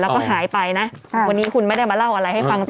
แล้วก็หายไปนะวันนี้คุณไม่ได้มาเล่าอะไรให้ฟัง